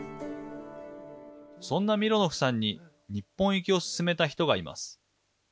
そんなミロノフさんに日本行きを勧めた人がいます。